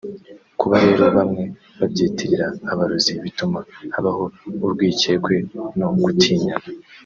kuba rero bamwe babyitirira abarozi bituma habaho urwikekwe no gutinyana